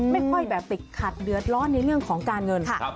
ไม่ค่อยแบบติดขัดเดือดร้อนในเรื่องของการเงิน